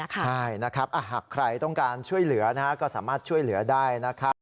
ใช่หากใครต้องการช่วยเหลือก็สามารถช่วยเหลือได้